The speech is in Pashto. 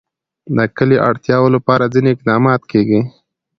د کلیو د اړتیاوو لپاره ځینې اقدامات کېږي.